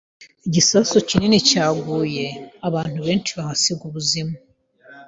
Igisasu kinini cyaguye, abantu benshi bahasiga ubuzima.